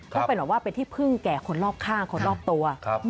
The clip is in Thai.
ต้องเป็นเหมือนว่าเป็นที่พึ่งแก่คนรอบข้างคนรอบตัว